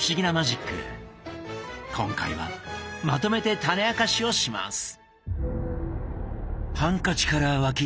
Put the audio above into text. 今回はまとめてタネあかしをします。